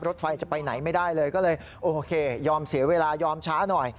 รถไฟจะไปไหนไม่ได้เลยก็เลยโอเคยอมเสียเวลายอมช้าหน่อย